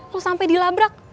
lo sampe dilabrak